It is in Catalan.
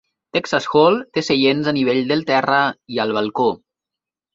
Texas Hall té seients a nivell del terra i al balcó.